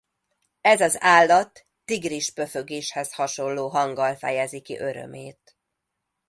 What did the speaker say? Ez az állat tigris-pöfögéshez hasonló hanggal fejezi ki örömét.